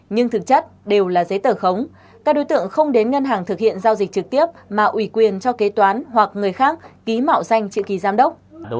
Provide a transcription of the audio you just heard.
nhưng thực chất đều là giấy tờ khống các đối tượng không đến ngân hàng thực hiện giao dịch trực tiếp mà ủy quyền cho kế toán hoặc người khác ký mạo danh chữ ký giám đốc